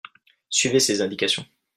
suivez ses indications.